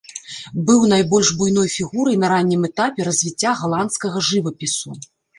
Быў найбольш буйной фігурай на раннім этапе развіцця галандскага жывапісу.